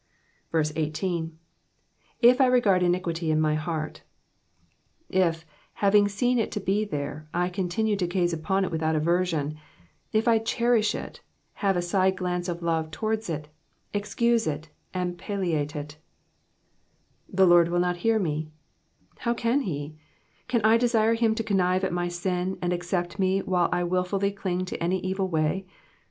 18. if I regard iniquity in my heart,^^ If, having seen it to be there, I continue to gaze upon it without aversion ; if I cherish it, have a side ghmoe Digitized by VjOOQIC PSALM THE SIXTY SIXTH. 180 of love towards it, excuse it, and palliate it ; ^^The Lord mil not htar me,'*'* How can he ? Can I desire him to connive at my sin, and accept me while I wilfully cling to any evil way